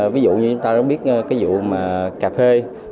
ví dụ như chúng ta đã biết cái vụ mà cà phê